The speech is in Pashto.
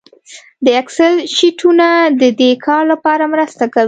د اکسل شیټونه د دې کار لپاره مرسته کوي